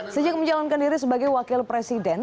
sejak menjalankan diri sebagai wakil presiden